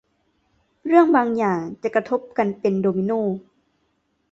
เรื่องบางอย่างจะกระทบกันเป็นโดมิโน่